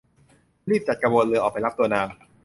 รีบจัดกระบวนเรือออกไปรับตัวนาง